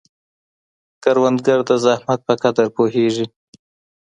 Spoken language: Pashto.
کروندګر د زحمت په قدر پوهیږي